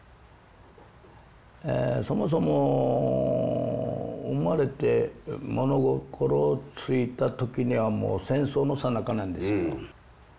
そもそも生まれて物心ついた時にはもう戦争のさなかなんですよ。